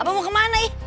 abah mau kemana ih